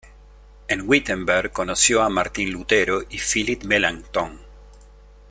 En Wittenberg conoció a Martin Lutero y Philipp Melanchthon.